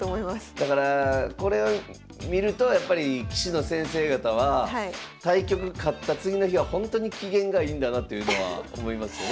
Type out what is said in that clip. だからこれを見るとやっぱり棋士の先生方は対局勝った次の日はほんとに機嫌がいいんだなというのは思いますよね。